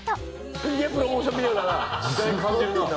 すげえプロモーションビデオだな。